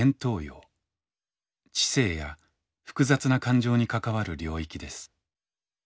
知性や複雑な感情に関わる領域です。